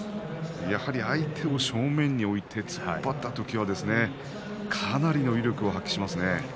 相手を正面に置いて突っ張った時にはかなりの威力を発揮しますね。